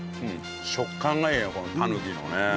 食感がいいねこのたぬきのね。